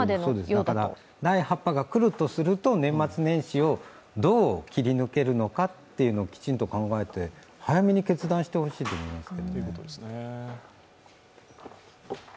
だから第８波が来るとすると年末年始をどう切り抜けるかっていうのをきちんと考えて、早めに決断してほしいと思います。